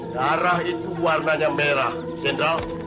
darah itu warnanya merah general